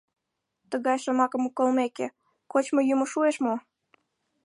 Тыгай шомакым колмеке, кочмо-йӱмӧ шуэш мо?